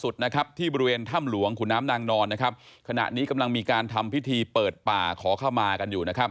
ที่บริเวณถ้ำหลวงขุนน้ำนางนอนขณะนี้กำลังมีการทำพิธีเปิดป่าขอเข้ามากันอยู่